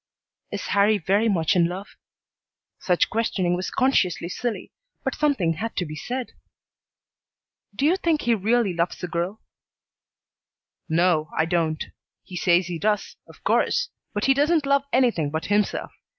"Is Harrie very much in love?" Such questioning was consciously silly, but something had to be said. "Do you think he really loves the girl?" "No, I don't. He says he does, of course, but he doesn't love anything but himself.